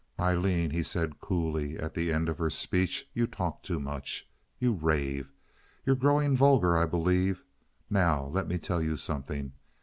"Aileen," he said, coolly, at the end of her speech, "you talk too much. You rave. You're growing vulgar, I believe. Now let me tell you something."